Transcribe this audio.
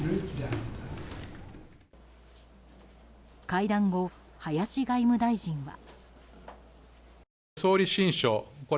会談後、林外務大臣は。